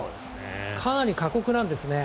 かなり過酷なんですね。